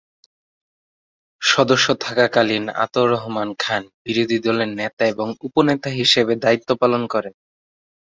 সদস্য থাকাকালীন আতাউর রহমান খান বিরোধী দলের নেতা এবং উপনেতা হিসেবে দায়িত্ব পালন করেন।